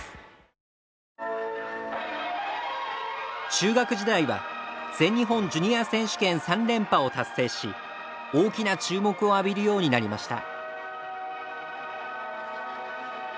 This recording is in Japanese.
中学時代は全日本ジュニア選手権３連覇を達成し大きな注目を浴びるようになりました。